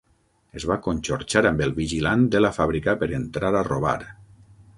Es va conxorxar amb el vigilant de la fàbrica per entrar a robar.